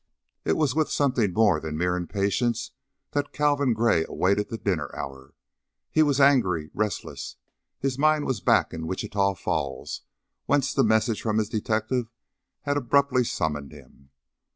It was with something more than mere impatience that Calvin Gray awaited the dinner hour; he was angry, restless; his mind was back in Wichita Falls, whence the message from his detective had abruptly summoned him.